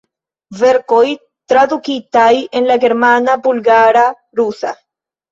Verkoj tradukitaj en la germana, bulgara, rusa.